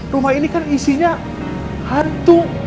rumah ini kan isinya hantu